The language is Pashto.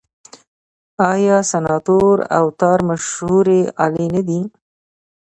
آیا سنتور او تار مشهورې الې نه دي؟